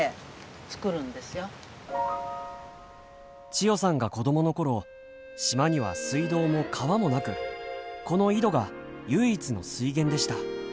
千代さんが子供のころ島には水道も川もなくこの井戸が唯一の水源でした。